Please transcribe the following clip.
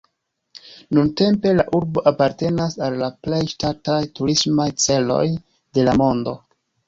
Nuntempe la urbo apartenas al la plej ŝatataj turismaj celoj de la mondo.